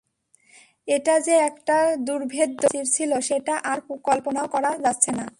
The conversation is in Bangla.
এটা যে একটা দুর্ভেদ্য প্রাচীর ছিল সেটা আর কল্পনাও করা যাচ্ছে না।